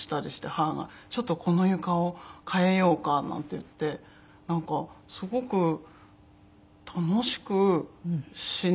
母が「ちょっとこの床を替えようか」なんて言ってなんかすごく楽しく死に向かっていけたっていうか。